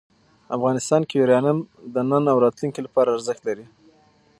افغانستان کې یورانیم د نن او راتلونکي لپاره ارزښت لري.